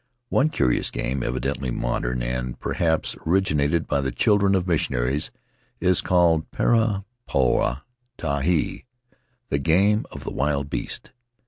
One curious game, evidently modern, and perhaps originated by the children of missionaries, is called Pere Puaa Taehae (the Game of the Wild Beast).